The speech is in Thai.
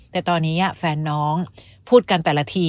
แต่ตอนนี้แฟนน้องพูดกันแต่ละที